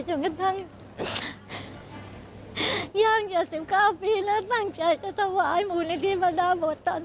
จนกระทั่ง๑๙ปีแล้วตั้งใจจะถวายหมู่นิทธิบันดาวบทตอน๘๐